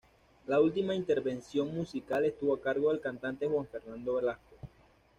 La última intervención musical estuvo a cargo del cantante Juan Fernando Velasco.